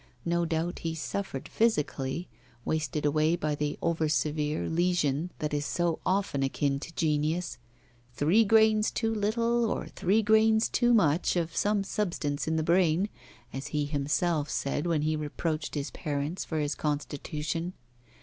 No doubt he suffered physically, wasted away by the over severe lesion that is so often akin to genius, "three grains too little, or three grains too much, of some substance in the brain," as he himself said when he reproached his parents for his constitution.